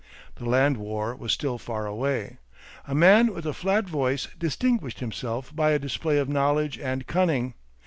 The land war was still far away. A man with a flat voice distinguished himself by a display of knowledge and cunning.